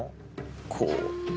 こう。